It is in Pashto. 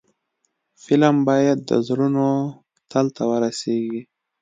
فلم باید د زړونو تل ته ورسیږي